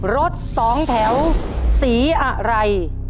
รถสองแถวสีอะไร